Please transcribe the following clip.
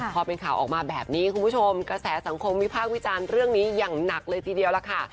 พอเป็นข่าวออกมาแบบนี้คุณผู้ชมกระแสสังคมวิพากษ์วิจารณ์เรื่องนี้อย่างหนักเลยทีเดียวล่ะค่ะ